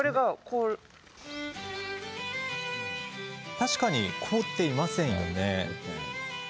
確かに凍っていませんよね。